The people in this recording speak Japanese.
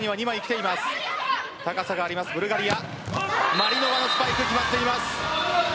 マリノバのスパイク決まっています。